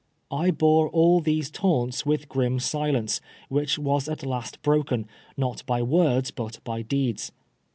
I bore all these taunts with grim silence, which was at last broken, not by words, but by deeds.